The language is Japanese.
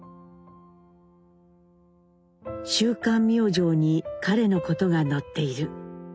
「週刊明星に彼のことが載っている。